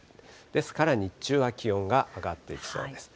ですから日中は気温が上がっていきそうです。